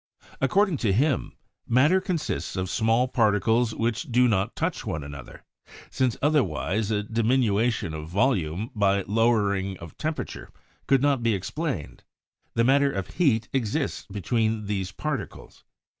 According to him, matter consists of small particles which do not touch one another, since, otherwise, a dim LAVOISIER 163 inution of volume by lowering of temperature could not be explained: the matter of heat exists between these particles.